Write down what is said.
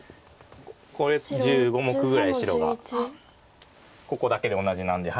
これ１５目ぐらい白がここだけで同じなんで。